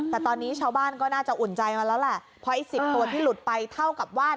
แต่ตอนนี้ชาวบ้านก็น่าจะอุ่นใจมาแล้วแหละเพราะไอ้สิบตัวที่หลุดไปเท่ากับว่า